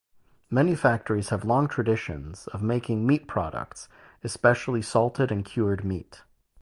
Many factories have long traditions for making meat products, especially salted and cured meat.